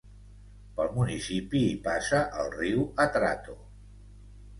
Pel municipi hi passa el riu Atrato.